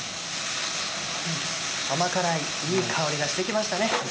甘辛いいい香りがしてきましたね。